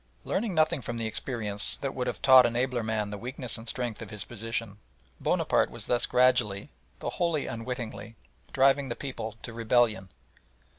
Learning nothing from the experience that would have taught an abler man the weakness and strength of his position, Bonaparte was thus gradually, though wholly unwittingly, driving the people to rebellion.